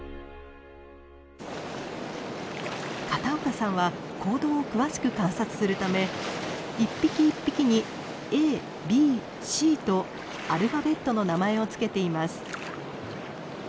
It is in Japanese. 片岡さんは行動を詳しく観察するため一匹一匹にＡＢＣとアルファベットの名前を付けています。